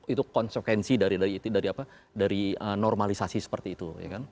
itu konsekuensi dari normalisasi seperti itu